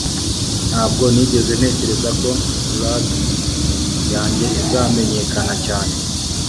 ntabwo nigeze ntekereza ko blog yanjye izamenyekana cyane